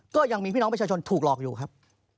ก็ยังมีพี่น้องประชาชนถูกหลอกอยู่ครับ